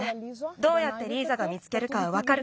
どうやってリーザが見つけるかわかるから。